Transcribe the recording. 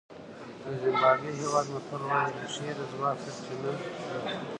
د زیمبابوې هېواد متل وایي رېښې د ځواک سرچینه ده.